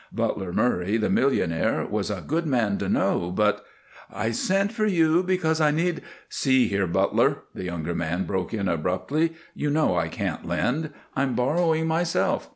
Butler Murray, the millionaire, was a good man to know, but "I sent for you because I need " "See here, Butler," the younger man broke in, abruptly, "you know I can't lend. I'm borrowing myself.